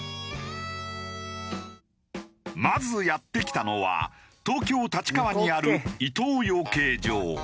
まずやって来たのは東京立川にある伊藤養鶏場。